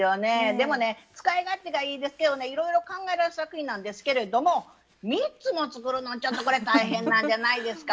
でもね使い勝手がいいですけどねいろいろ考えられた作品なんですけれども３つも作るのちょっとこれ大変なんじゃないですか？